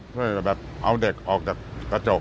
ช่วยแบบเอาเด็กออกจากกระจก